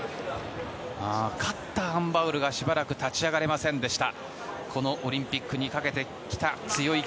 勝ったアン・バウルがしばらく立ち上がれませんでした。